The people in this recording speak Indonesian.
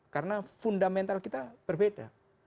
karena fundamental kita berbeda